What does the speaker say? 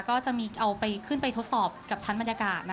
ก็จะมีเอาไปขึ้นไปทดสอบกับชั้นบรรยากาศ